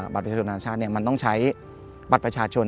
ประชาชนนาชาติมันต้องใช้บัตรประชาชน